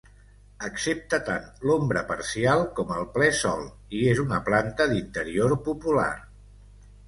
Accepta tant l'ombra parcial com el ple sol i és una planta d'interior popular.